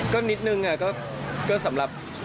ก็นิดนึงก็สำหรับ